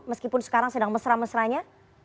meskipun sekarang sedang mesra mesranya